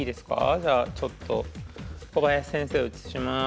じゃあちょっと小林先生を映します。